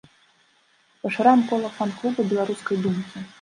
Пашыраем кола фан-клуба беларускай думкі!